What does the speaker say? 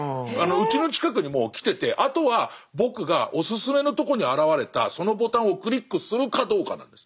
うちの近くにもう来ててあとは僕がおすすめのとこに現れたそのボタンをクリックするかどうかなんです。